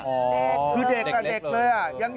โอวววเด็กเลย